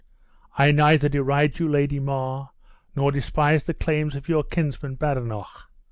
"I neither deride you, Lady Mar, nor despise the claims of your kinsman, Badenoch.